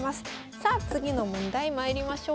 さあ次の問題まいりましょう。